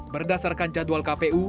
berdasarkan jadwal kpu